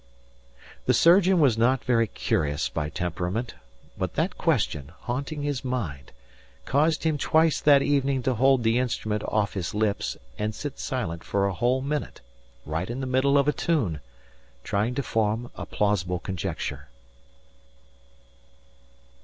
The surgeon was not very curious by temperament; but that question, haunting his mind, caused him twice that evening to hold the instrument off his lips and sit silent for a whole minute right in the middle of a tune trying to form a plausible conjecture.